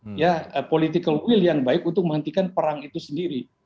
keinginan politik yang baik untuk menghentikan perang itu sendiri